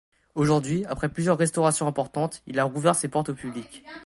Aujourd'hui, après plusieurs restauration importante, il a rouvert ses portes au public.